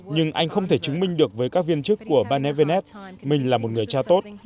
nhưng anh không thể chứng minh được với các viên chức của barnetvelet mình là một người cha tốt